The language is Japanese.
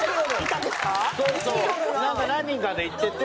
なんか何人かで行ってて。